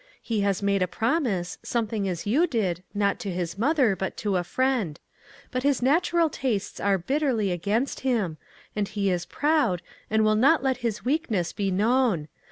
He has made a promise, something as you did, not to his mother, but to a friend; but his natural tastes are bitterly against him, and he is proud, and will not let his weakness be known.